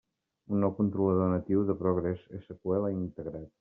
Un nou controlador natiu de PostgreSQL integrat.